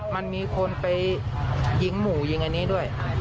มันมีคนไปยิงหมู่ยิงอันนี้ด้วย